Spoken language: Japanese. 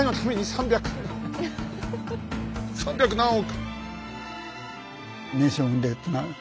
三百何億！